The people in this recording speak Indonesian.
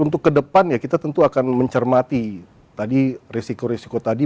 untuk kedepan ya kita tentu akan mencermati tadi risiko risiko tadi